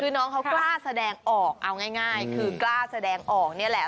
คือน้องเขากล้าแสดงออกเอาง่ายคือกล้าแสดงออกนี่แหละ